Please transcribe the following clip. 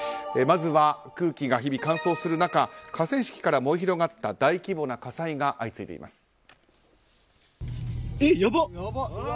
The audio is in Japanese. まずは空気が日々乾燥する中河川敷から燃え広がった大規模な火災が相次いでいます。